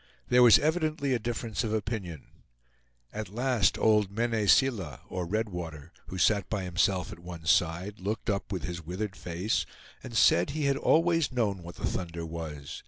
There was evidently a difference of opinion. At last old Mene Seela, or Red Water, who sat by himself at one side, looked up with his withered face, and said he had always known what the thunder was.